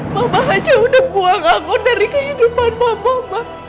mama aja udah buang aku dari kehidupan mama ma